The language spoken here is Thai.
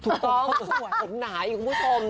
ถูกต้องขนไหนคุณผู้ชม